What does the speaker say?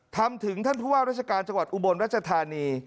ทำถึงท่านผู้ว่าราชการจังหวัดอุบลรัชธานี